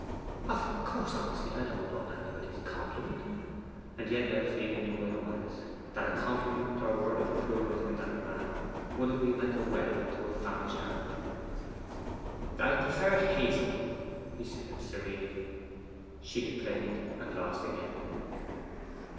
'Of course honestly; I don't want anybody's compliment!' And yet Elfride knew otherwise: that a compliment or word of approval from that man then would have been like a well to a famished Arab. 'I prefer hazel,' he said serenely. She had played and lost again.